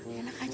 aduh enak aja